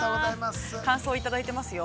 感想をいただいていますよ。